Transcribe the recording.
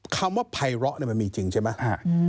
คำว่าภัยเลาะมันมีจริงใช่ไหม